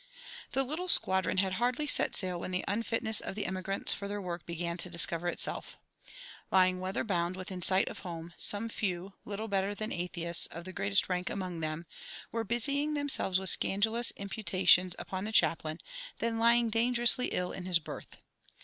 The little squadron had hardly set sail when the unfitness of the emigrants for their work began to discover itself. Lying weather bound within sight of home, "some few, little better than atheists, of the greatest rank among them," were busying themselves with scandalous imputations upon the chaplain, then lying dangerously ill in his berth.